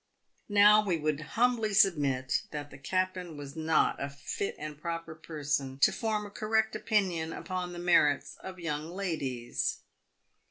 JN~ow we would humbly submit that the captain was not a fit and proper person to form a correct opinion upon the merits of young ladies.